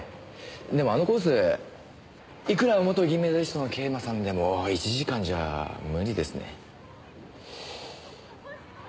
いくら元銀メダリストの桂馬さんでも１時間じゃ無理ですね。